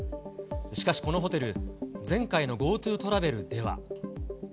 しかし、このホテル、前回のＧｏＴｏトラベルでは。